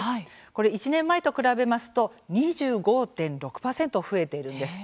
これ１年前と比べますと２５．６％増えているんです。